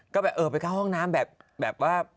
ก็แบบเออไปเข้าห้องน้ำแบบว่า